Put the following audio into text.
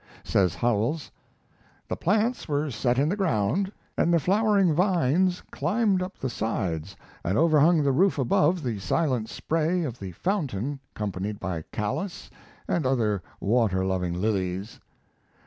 Says Howells: The plants were set in the ground, and the flowering vines climbed up the sides and overhung the roof above the silent spray of the fountain companied by Callas and other waterloving lilies.